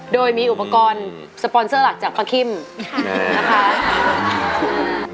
โดยมีอุปกรณ์สปอนเซอร์หลักจากพระคิมนะคะ